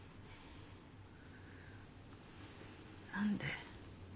何で？